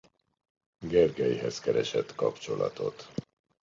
Gergelyhez keresett kapcsolatot.